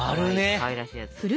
かわいらしいやつ。